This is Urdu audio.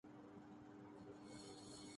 سوناکشی کو کامیڈی فلموں میں کام کرنا کیوں پسند